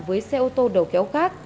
với xe ô tô đầu kéo khác